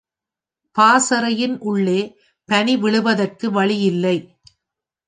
பாசறையின் உள்ளே பனி விழுவதற்கு வழி இல்லை.